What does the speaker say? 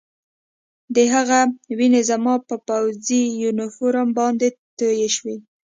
د هغه وینې زما په پوځي یونیفورم باندې تویې شوې